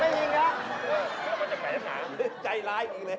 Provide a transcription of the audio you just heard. มันจะแผนหน่าใจร้ายจริงเลย